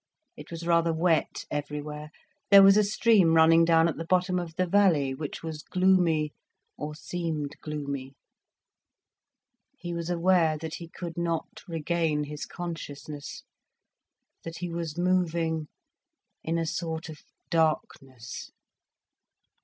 It was rather wet everywhere, there was a stream running down at the bottom of the valley, which was gloomy, or seemed gloomy. He was aware that he could not regain his consciousness, that he was moving in a sort of darkness.